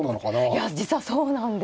いや実はそうなんですよ。